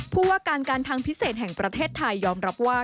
ผู้ว่าการการทางพิเศษแห่งประเทศไทยยอมรับว่า